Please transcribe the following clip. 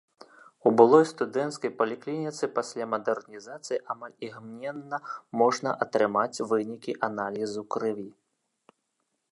У былой студэнцкай паліклініцы пасля мадэрнізацыі амаль імгненна можна атрымаць вынікі аналізу крыві.